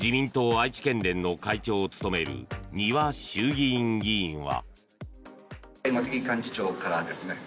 愛知県連の会長を務める丹羽衆議院議員は。